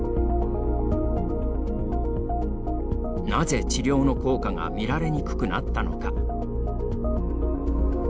なぜ、治療の効果が見られにくくなったのか。